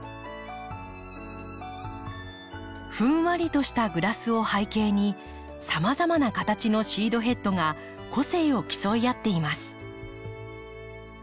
ふんわりとしたグラスを背景にさまざまな形のシードヘッドが個性を競い合っています。